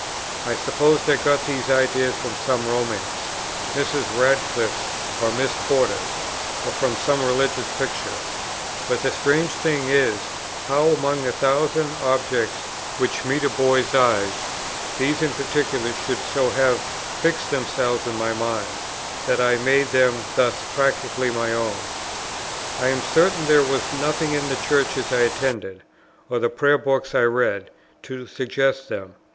I suppose I got these ideas from some romance, Mrs. Radcliffe's or Miss Porter's; or from some religious picture; but the strange thing is, how, among the thousand objects which meet a boy's eyes, these in particular should so have fixed themselves in my mind, that I made them thus practically my own. I am certain there was nothing in the churches I attended, or the prayer books I read, to suggest them.